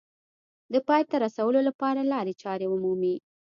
د پای ته رسولو لپاره لارې چارې ومومي